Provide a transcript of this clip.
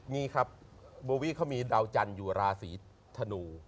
นี่ครับโบวิเขามีดาวจันทร์อยู่ราศีธนู